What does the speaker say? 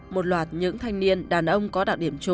một loạt những thanh niên đàn ông có đặc điểm chung